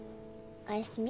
おやすみ。